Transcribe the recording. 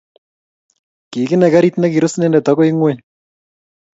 Kikinai gariit ne kirus inendet akoi ing'weny.